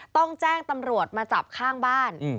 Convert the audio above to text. ต้องแจ้งตำรวจมาจับข้างบ้าน